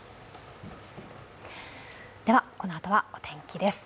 このあとはお天気です。